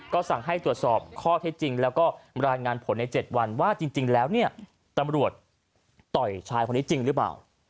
ก็สั่งให้ตรวจสอบข้อเท็จจริงแล้วก็รายงานผลใน๗วันว่าจริงแล้วเนี่ยตำรวจต่อยชายคนนี้จริงหรือเปล่า